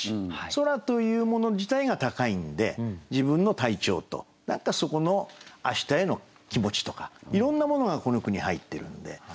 空というもの自体が高いんで自分の体調と何かそこのあしたへの気持ちとかいろんなものがこの句に入ってるんで。